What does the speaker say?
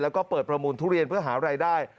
แล้วก็เปิดประมูลทุเรียนเพื่อหารายได้